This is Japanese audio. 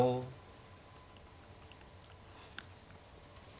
１０秒。